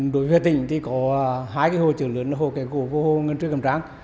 đối với tỉnh thì có hai hồ chứa lớn hồ ngàn trươi cầm tráng